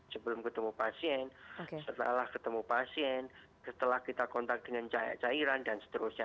sebelum ketemu pasien setelah ketemu pasien setelah kita kontak dengan cairan dan seterusnya